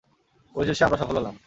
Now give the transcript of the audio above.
অবশেষে আমরা সফল হলাম।